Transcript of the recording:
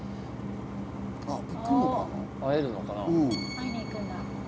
会いに行くんだ。